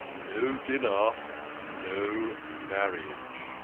" No dinner, no marriage